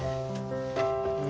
え？